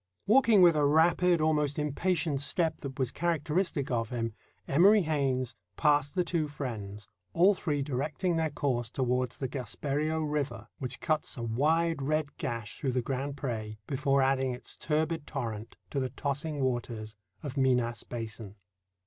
Walking with a rapid, almost impatient step that was characteristic of him, Emory Haynes passed the two friends, all three directing their course toward the Gaspereaux River, which cuts a wide red gash through the Grand Pré before adding its turbid torrent to the tossing waters of Minas Basin.